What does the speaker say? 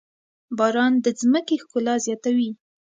باران د ځمکې ښکلا زياتوي.